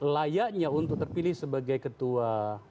layaknya untuk terpilih sebagai ketua